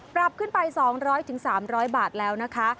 ปรับขึ้นไป๒๐๐๓๐๐บาทแล้วนะคะ